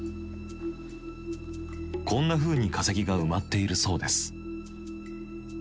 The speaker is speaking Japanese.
こんなふうに化石が埋まっているそうです。